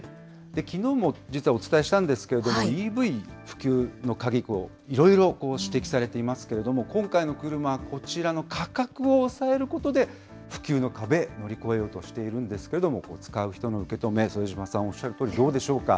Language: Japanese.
きのうも実はお伝えしたんですけれども、ＥＶの普及の壁、いろいろ指摘されていますけれども、今回の車はこちらの価格を抑えることで、普及の壁、乗り越えようとしているんですけれども、使う人の受け止め、副島さんおっしゃるとおり、どうでしょうか。